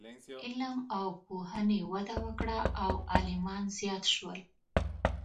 علم او پوهنې وده وکړه او عالمان زیات شول.